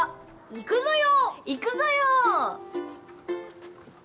行くぞよ！